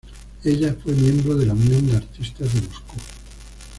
Ella fue miembro de la Unión de Artistas de Moscú.